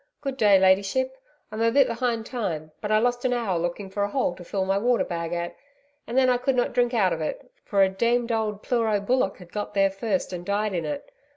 Good day, Ladyship. I'm a bit behind time, but I lost an hour looking for a hole to fill my water bag at And then I could not drink out of it for a demed old pleuro bullock had got there first and died in it.